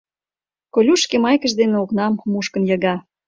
Колюш шке майкыж дене окнам мушкын йыга.